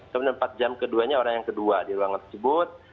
kemudian empat jam keduanya orang yang kedua di ruang tersebut